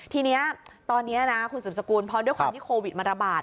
ทีนี้ตอนนี้นะคุณสืบสกุลเพราะด้วยความที่โควิดมันระบาด